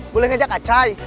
boleh ngajak acay